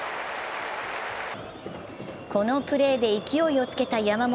このプレーで勢いをつけた山本。